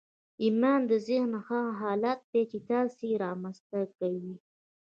ايمان د ذهن هغه حالت دی چې تاسې يې رامنځته کوئ.